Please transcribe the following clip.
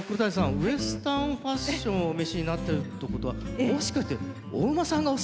ウエスタン・ファッションをお召しになってるってことはもしかしてお馬さんがお好きだったりします？